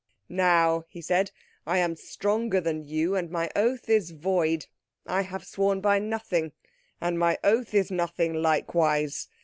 "Now," he said, "I am stronger than you and my oath is void. I have sworn by nothing, and my oath is nothing likewise.